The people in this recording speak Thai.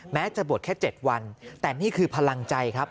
จะบวชแค่๗วันแต่นี่คือพลังใจครับ